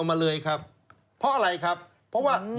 มะเร็งมะหวานนะครับ